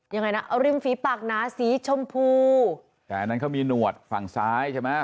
ยังไงนะเอาริมฝีปากหนาสีชมพูแต่อันนั้นเขามีหนวดฝั่งซ้ายใช่ไหม